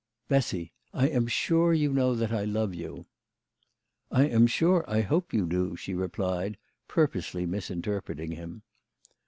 " Bessy, I am sure you know that I love you." "I am sure I hope you do," she replied, purposely misinterpreting him.